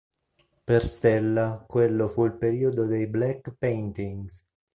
Per Stella quello fu il periodo dei "black paintings".